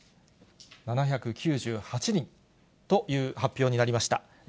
７９８人という発表になりました。